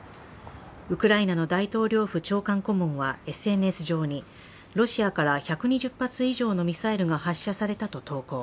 ウクライナの大統領府長官顧問はＳＮＳ上にロシアから１２０発以上のミサイルが発射されたと投稿。